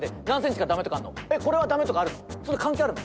これは駄目とかあるの？